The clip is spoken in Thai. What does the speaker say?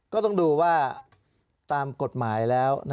ก็ต้องดูว่าตามกฎหมายแล้ว